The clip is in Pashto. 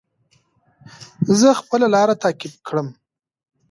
زه به خپله لاره تعقیب کړم.